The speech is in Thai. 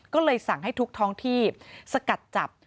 ก็เลยสั่งให้ทุกท้องที่สกัดจับ